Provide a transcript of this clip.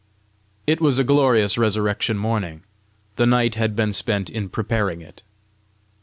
It was a glorious resurrection morning. The night had been spent in preparing it!